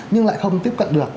nhưng lại không tiếp cận được